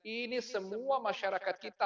ini semua masyarakat kita